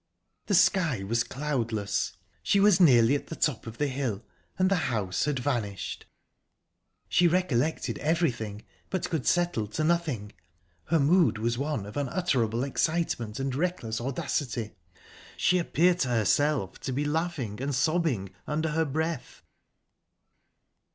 The sky was cloudless. She was nearly at the top of the hill, and the house had vanished...She recollected everything, but could settle to nothing. Her mood was one of unutterable excitement and reckless audacity; she appeared to herself to be laughing and sobbing under her breath...